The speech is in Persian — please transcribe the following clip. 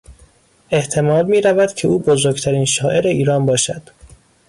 احتمال میرود که او بزرگترین شاعر ایران باشد.